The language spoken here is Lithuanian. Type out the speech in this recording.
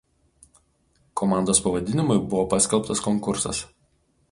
Komandos pavadinimui buvo paskelbtas konkursas.